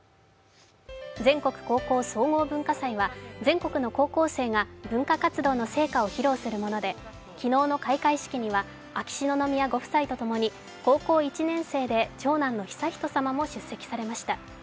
全国高校総合文化祭は全国の高校生が文化活動の成果を披露するもので昨日の開会式には秋篠宮ご夫妻とともに高校１年生で長男の悠仁さまも出席されました。